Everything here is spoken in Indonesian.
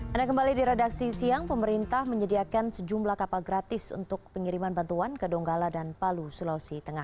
anda kembali di redaksi siang pemerintah menyediakan sejumlah kapal gratis untuk pengiriman bantuan ke donggala dan palu sulawesi tengah